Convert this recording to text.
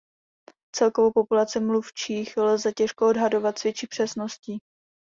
Celkovou populaci mluvčích lze těžko odhadovat s větší přesností.